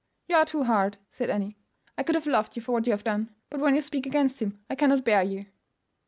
"You are too hard," said Annie. "I could have loved you for what you have done; but when you speak against him I cannot bear you."